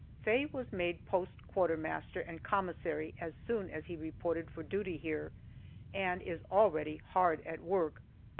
Faye was made post quartermaster and commissary as soon as he reported for duty here, and is already hard at work.